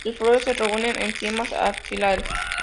Sus flores se reúnen en cimas axilares.